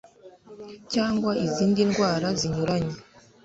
cyangwa izindi ndwara zinyuranye